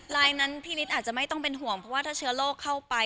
ลายนั้นพี่นิดอาจจะไม่ต้องเป็นห่วงเพราะว่าถ้าเชื้อโรคเข้าไป